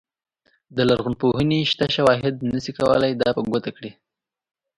د لرغونپوهنې شته شواهد نه شي کولای دا په ګوته کړي.